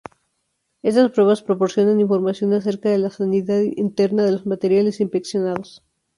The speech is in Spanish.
Estas pruebas proporcionan información acerca de la sanidad interna de los materiales inspeccionados.